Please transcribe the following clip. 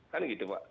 kan gitu pak